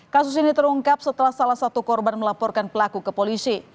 kasus ini terungkap setelah salah satu korban melaporkan pelaku ke polisi